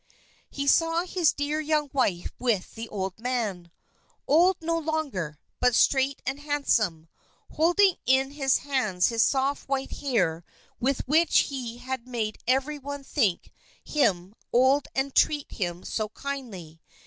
He saw his dear young wife with the old man old no longer, but straight and handsome, holding in his hands his soft white hair with which he had made every one think him old and treat him so kindly.